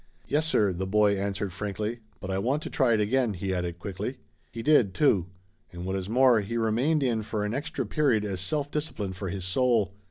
"Yes, sir," the boy answered frankly. "But I want to try it again," he added quickly. He did, too. And what is more, he remained in for an extra period as self discipline for his soul.